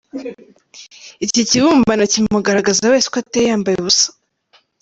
Iki kibumbano kimugaragaza wese uko ateye yambaye ubusa.